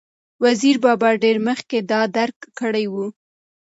وزیر بابا ډېر مخکې دا درک کړې وه،